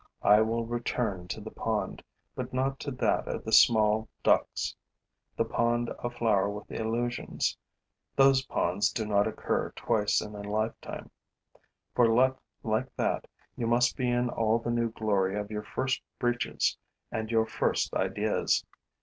I will return to the pond, but not to that of the small ducks, the pond aflower with illusions: those ponds do not occur twice in a lifetime. For luck like that, you must be in all the new glory of your first breeches and your first ideas.